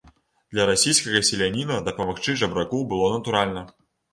Для расійскага селяніна дапамагчы жабраку было натуральна.